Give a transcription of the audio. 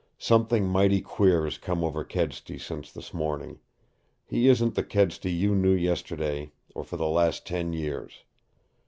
Something mighty queer has come over Kedsty since this morning. He isn't the Kedsty you knew yesterday or for the last ten years.